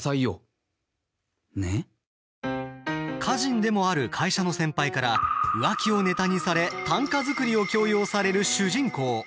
歌人でもある会社の先輩から浮気をネタにされ短歌作りを強要される主人公。